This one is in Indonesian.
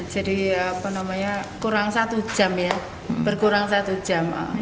jadi kurang satu jam ya berkurang satu jam